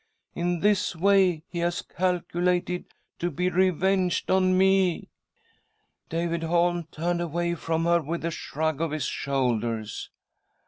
In this way he has calculated to be revenged on me.' " David Holm .turned away from her with a shrug of his shoulders.